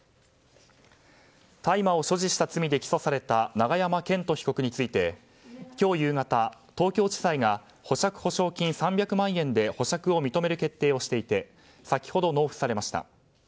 大麻を所持した罪で起訴された永山絢斗被告について今日夕方、東京地裁が保釈保証金３００万円で保釈を認める決定をしていて先ほど納付されました。